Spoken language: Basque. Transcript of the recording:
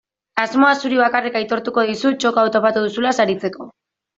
Asmoa zuri bakarrik aitortuko dizut txoko hau topatu duzula saritzeko.